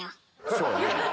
そうね。